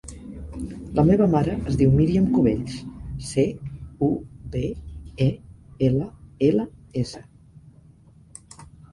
La meva mare es diu Míriam Cubells: ce, u, be, e, ela, ela, essa.